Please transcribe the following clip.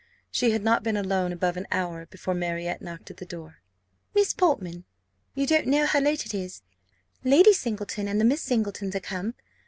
She had not been alone above an hour before Marriott knocked at the door. "Miss Portman, you don't know how late it is. Lady Singleton and the Miss Singletons are come.